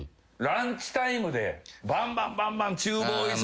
ランチタイムでバンバンバンバン厨房忙しい。